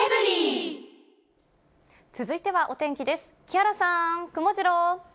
続いてはお天気です。